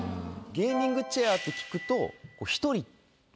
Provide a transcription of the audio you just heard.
「ゲーミングチェア」って聞くと。